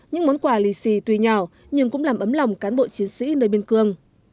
những món quà lì xì tùy nhỏ nhưng cũng làm ấm lòng cán bộ chiến sĩ nơi bên cương